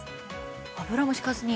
油も引かずに？